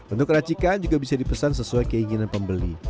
untuk racikan juga bisa dipesan sesuai keinginan pembeli